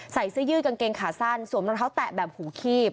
ใส่เสื้อยืดกางเกงขาสั้นสวมรองเท้าแตะแบบหูคีบ